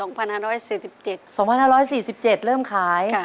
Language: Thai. ตั้งแต่ประวัติศาสตร์๒๕๔๗เริ่มขาย